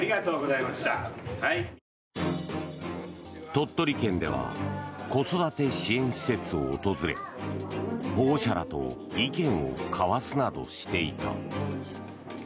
鳥取県では子育て支援施設を訪れ保護者らと意見を交わすなどしていた。